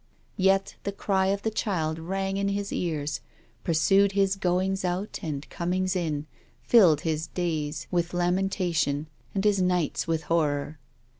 Yet the cry of the child rang in his cars, pursued his goings out and comings in, filled his days with lamentation, and his nights with horror.